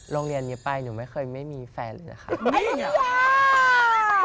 โรงเรียนนี้ไปหนูไม่เคยไม่มีแฟนเลยนะคะ